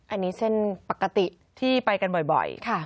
อันนี้เส้นปกติที่ไปกันบ่อย